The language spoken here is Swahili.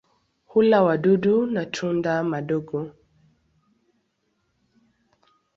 Hula wadudu na tunda madogo.